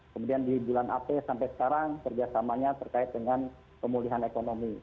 kemudian di bulan april sampai sekarang kerjasamanya terkait dengan pemulihan ekonomi